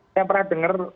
saya pernah dengar